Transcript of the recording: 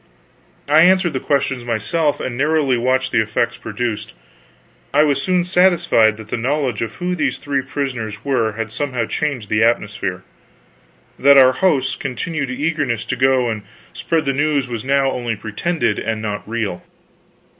I answered the questions myself, and narrowly watched the effects produced. I was soon satisfied that the knowledge of who these three prisoners were had somehow changed the atmosphere; that our hosts' continued eagerness to go and spread the news was now only pretended and not real.